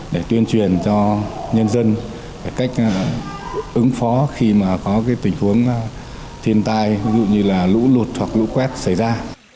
để tuyên truyền cho nhân dân cách ứng phó khi mà có cái tình huống thiên tai ví dụ như là lũ lụt hoặc lũ quét xảy ra